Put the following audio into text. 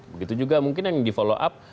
begitu juga mungkin yang di follow up